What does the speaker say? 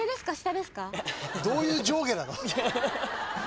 どういう上下なの？